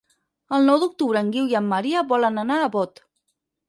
El nou d'octubre en Guiu i en Maria volen anar a Bot.